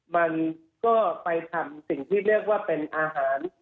มันก็ไปทำสิ่งที่เรียกว่าเป็นอาหาร